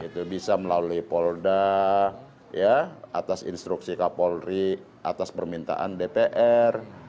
itu bisa melalui polda atas instruksi kapolri atas permintaan dpr